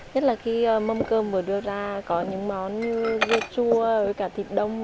nhất là khi mâm cơm vừa đưa ra có những món như ghe chua với cả thịt đông